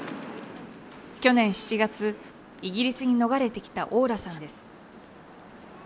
去年７月イギリスに逃れてきたオーラさんです。